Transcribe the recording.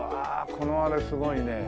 このあれすごいね。